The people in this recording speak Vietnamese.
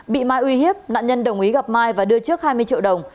bị mai uy hiếp nạn nhân đồng ý gặp mai và đưa trước hai mươi triệu đồng